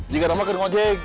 jangan nama ke ngoce